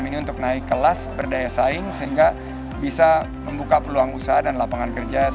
ini untuk naik kelas berdaya saing sehingga bisa membuka peluang usaha dan lapangan kerja